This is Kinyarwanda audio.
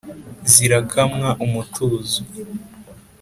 Zirakamwa umutuzo,